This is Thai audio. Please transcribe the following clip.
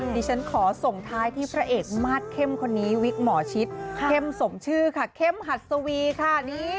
ดิฉันขอส่งท้ายที่พระเอกมาสเข้มคนนี้วิกหมอชิตเข้มสมชื่อค่ะเข้มหัดสวีค่ะ